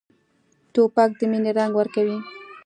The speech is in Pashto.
توپک د مینې رنګ ورکوي.